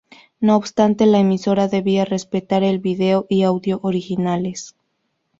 No obstante, la emisora debía respetar el video y audio originales.